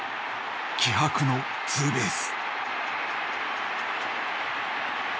気迫のツーベース。